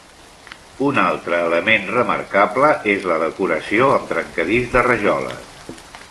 Un altre element remarcable és la decoració amb trencadís de rajoles.